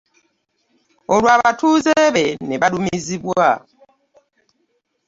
Olwo abatuuze be ne balumizibwa.